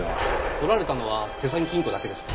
取られたのは手提げ金庫だけですか？